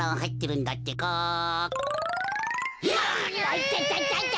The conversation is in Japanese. いたたた！